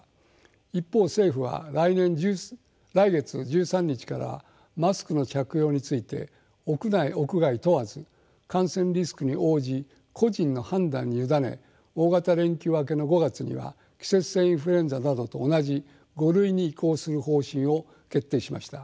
一方政府は来月１３日からはマスクの着用について屋内屋外問わず感染リスクに応じ個人の判断に委ね大型連休明けの５月には季節性インフルエンザなどと同じ「５類」に移行する方針を決定しました。